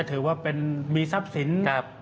ก็ถือว่ามีทรัพย์ศิลป์